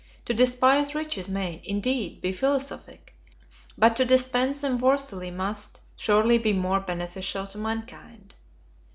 To despise riches may, indeed, be philosophic; but to dispense them worthily must, surely, be more beneficial to mankind.